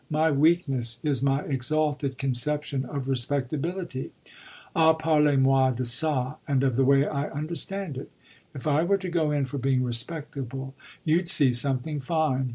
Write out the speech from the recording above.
"My weakness is my exalted conception of respectability. Ah parlez moi de ça and of the way I understand it! If I were to go in for being respectable you'd see something fine.